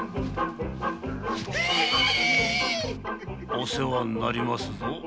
お世話になりますぞ。